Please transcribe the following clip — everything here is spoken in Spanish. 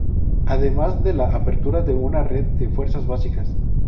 Además de la apertura de una red de fuerzas básicas.